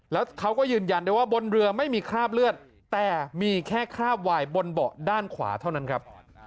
แล้วเขาก็ยืนยันได้ว่าบนเรือไม่มีคราบเลือดแต่มีแค่คราบวายบนเบาะด้านขวาเท่านั้นครับ